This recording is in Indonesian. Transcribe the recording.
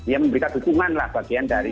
ya memberikan dukungan lah bagian dari